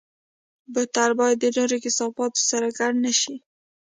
بوتل باید د نورو کثافاتو سره ګډ نه شي.